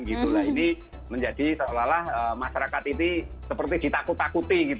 ini menjadi seolah olah masyarakat ini seperti ditakut takuti